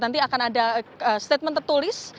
nanti akan ada statement tertulis